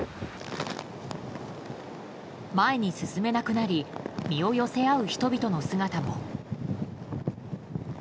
前に進めなくなり身を寄せ合う人々の姿も。